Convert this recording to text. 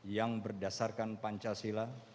yang berdasarkan pancasila